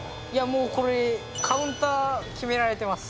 もうこれカウンター決められてます。